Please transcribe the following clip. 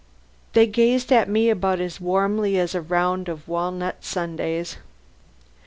They gazed at me about as warmly as a round of walnut sundaes.